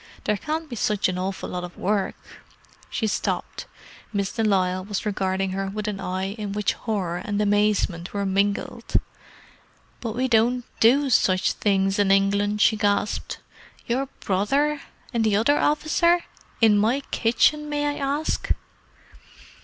There can't be such an awful lot of work!" She stopped. Miss de Lisle was regarding her with an eye in which horror and amazement were mingled. "But we don't do such things in England!" she gasped. "Your brother! And the other officer! In my kitchen, may I ask?"